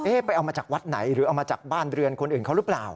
ไปเอามาจากวัดไหนหรือเอามาจากบ้านเรือนคนอื่นเขาหรือเปล่า